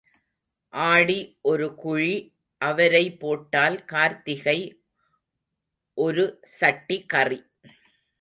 ஆடி ஒரு குழி அவரை போட்டால் கார்த்திகை ஒரு சட்டி கறி.